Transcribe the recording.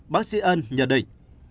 bác sĩ ân nhờ định